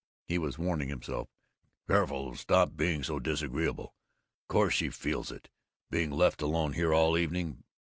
He was warning himself, "Careful! Stop being so disagreeable. Course she feels it, being left alone here all evening."